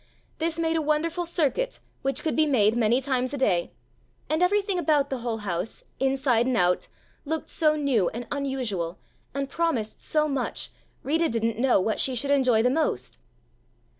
This made a wonderful circuit which could be made many times a day, and everything about the whole house, inside and out, looked so new and unusual and promised so much Rita didn't know what she should enjoy the most.